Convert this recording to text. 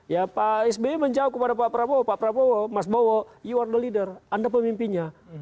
ya pak sby menjawab kepada pak prabowo pak prabowo mas bowo yo or the leader anda pemimpinnya